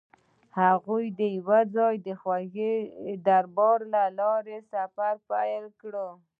هغوی یوځای د خوږ دریاب له لارې سفر پیل کړ.